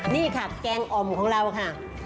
นี่ค่ะแกงอ่อมของเราค่ะ